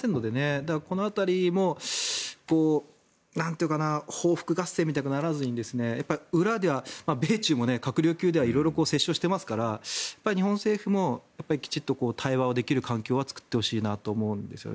だから、この辺りも報復合戦みたくならずに裏では、米中も閣僚級では色々、折衝してますから日本政府もきちんと対話ができる環境は作ってほしいなと思うんですね。